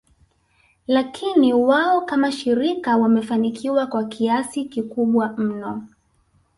Lakini wao kama shirika wamefanikiwa kwa kiasi kikubwa mno